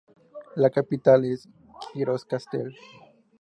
La capital es Gjirokastër.